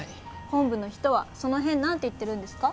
本部の人はその辺何て言ってるんですか？